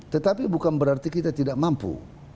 tetapi bukan berarti kita tidak mampu